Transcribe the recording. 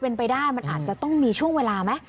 เป็นไปได้มันอาจจะต้องมีช่วงเวลาไหม